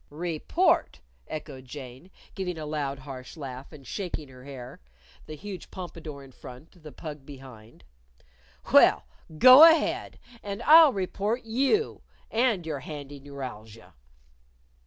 "Report!" echoed Jane, giving a loud, harsh laugh, and shaking her hair the huge pompadour in front, the pug behind. "Well, go ahead. And I'll report you and your handy neuralgia."